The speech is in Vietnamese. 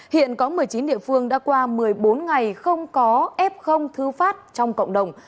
hiện có một mươi chín địa phương đã qua một mươi bốn ngày không có f thư phát trong cộng đồng